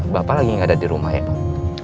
bapak lagi gak ada di rumah ya pak